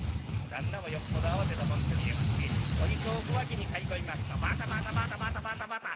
旦那もよっぽど慌てたもんと見えましておひつを小脇にかい込みますとバタバタバタバタバタバタ。